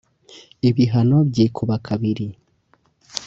ibihano byikuba kabiri